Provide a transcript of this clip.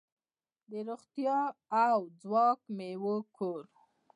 د روغتیا او ځواک میوو کور.